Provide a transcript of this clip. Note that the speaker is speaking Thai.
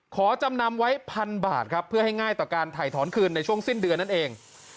ขอจำนำไว้พันบาทครับเพื่อให้ง่ายต่อการถ่ายถอนคืนในช่วงสิ้นเดือนนั่นเอง